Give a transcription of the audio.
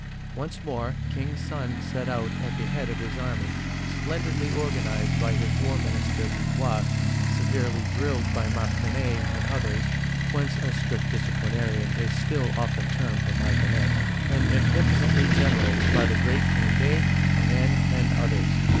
Once more " King Sun *' set out at the head of his army, splendidly organized by his war mihister, Louvois (loo vwa'), seyerely drilled by Martinet' and others (whence a strict disciplinarian is still often termed "a Martinet), and magnificently generaled by the great Cond6, Turenne, and others.